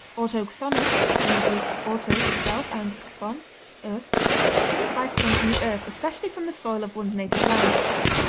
Autochthonic (Gr. autos, self, and chth[=o]n, earth) signifies sprung from the earth, especially from the soil of one's native land.